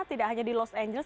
tidak hanya di los angeles